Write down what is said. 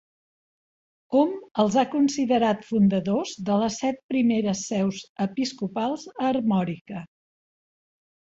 Hom els ha considerat fundadors de les set primeres seus episcopals a Armòrica.